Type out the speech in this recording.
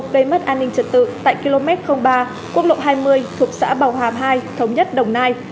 gây mất an ninh trật tự tại km ba quốc lộ hai mươi thuộc xã bào hàm hai thống nhất đồng nai